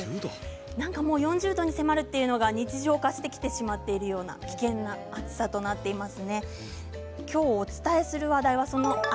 ４０度に迫るというのが日常化してしまっているような危険な暑さになっています。